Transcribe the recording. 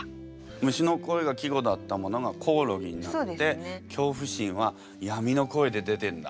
「虫の声」が季語だったものが「こおろぎ」になって恐怖心は「闇の声」で出てんだ。